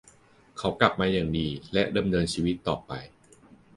เขากลับมาอย่างดีและดำเนินชีวิตต่อไป